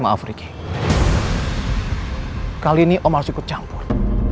maaf ricky kali ini om harus ikut campur